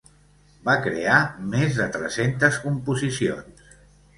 Va crear més de tres-centes composicions.